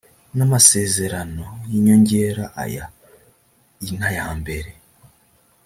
n amasezerano y inyongera aya i n aya mbere